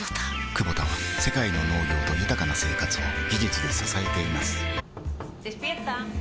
クボタは世界の農業と豊かな生活を技術で支えています起きて。